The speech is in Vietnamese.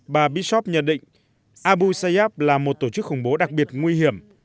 bà bishop nhận định abu sayab là một tổ chức khủng bố đặc biệt nguy hiểm